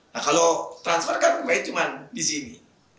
nah kalau transfer kan baik cuma di sini